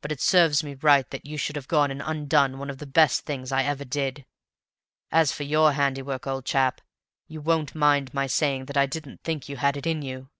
But it serves me right that you should have gone and undone one of the best things I ever did. As for YOUR handiwork, old chap, you won't mind my saying that I didn't think you had it in you.